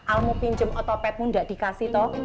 al mau pinjem otopetmu nggak dikasih toh